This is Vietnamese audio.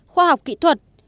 năm khoa học kỹ thuật